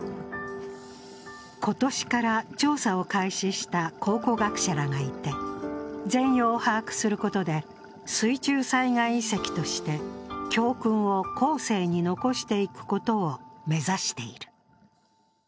今年から調査を開始した考古学者らがいて全容を把握することで水中災害遺跡として教訓を後世に残していくことを目指している。